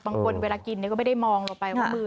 บางคนเวลากินก็ไม่ได้มองลงไปว่ามือ